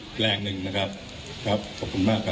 คุณผู้ชมไปฟังผู้ว่ารัฐกาลจังหวัดเชียงรายแถลงตอนนี้ค่ะ